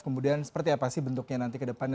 kemudian seperti apa sih bentuknya nanti ke depannya